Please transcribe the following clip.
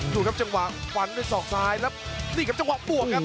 ดูครับจังหวะฟันด้วยศอกซ้ายแล้วนี่ครับจังหวะบวกครับ